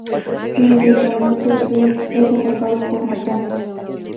Inmediatamente, Slade es atacado por mutantes.